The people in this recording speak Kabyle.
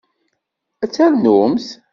Ad ternumt?